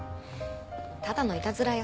ただのいたずらよ。